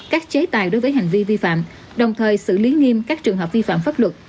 các chế tài đối với hành vi vi phạm đồng thời xử lý nghiêm các trường hợp vi phạm pháp luật